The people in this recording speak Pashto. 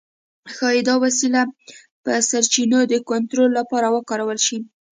ښايي دا وسیله پر سرچینو د کنټرول لپاره وکارول شي.